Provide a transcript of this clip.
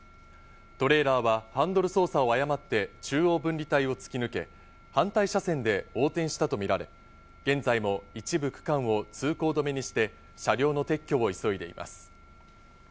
トレーラーはハンドル操作を誤って中央分離帯を突き抜け、反対車線で横転したとみられ、現在も一部区間を通行止めにして車両の撤去を急いでいます。